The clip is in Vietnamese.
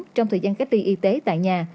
trong thời gian cách ly y tế tại nhà